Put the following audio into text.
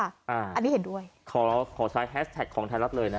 อ่าอันนี้เห็นด้วยอ่าขอขอใช้แฮซแท็กของทายลัพธ์เลยนะ